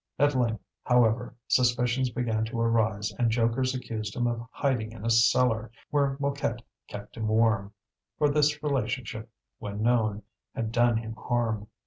At length, however, suspicions began to arise and jokers accused him of hiding in a cellar, where Mouquette kept him warm; for this relationship, when known, had done him harm.